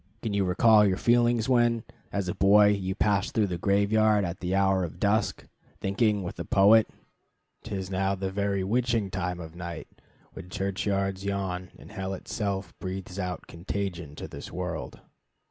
Can you recall your feelings when, as a boy, you passed through a graveyard at the hour of dusk, thinking, with the poet, 'T is now the very witching time of night, When churchyards yawn, and hell itself breathes out Contagion to this world?